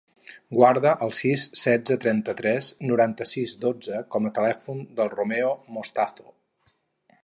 Guarda el sis, setze, trenta-tres, noranta-sis, dotze com a telèfon del Romeo Mostazo.